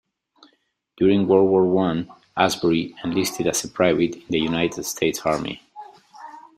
During World War One, Asbury enlisted as a private in the United States Army.